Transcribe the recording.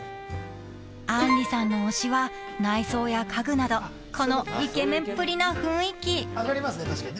［杏里さんの推しは内装や家具などこのイケメンっぷりな雰囲気］